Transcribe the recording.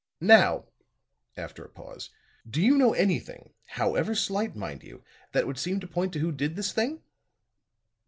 "Now," after a pause, "do you know anything however slight, mind you that would seem to point to who did this thing?"